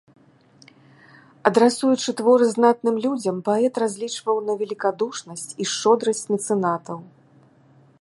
Адрасуючы творы знатным людзям, паэт разлічваў на велікадушнасць і шчодрасць мецэнатаў.